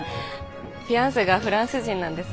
フィアンセがフランス人なんです。